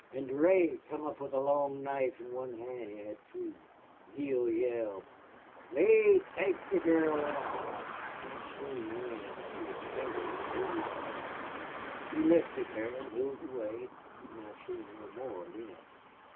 "An' Durade come up with a long knife in the one hand he had free. "Neale yelled, 'Lee, take the gurl out!' "I seen thin she hed fainted in Lee's arms. He lifted her moved away an' thin I seen no more of thim.